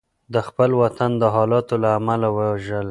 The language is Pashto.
د خپل وطن د حالاتو له امله وژړل.